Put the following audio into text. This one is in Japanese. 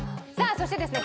そしてですね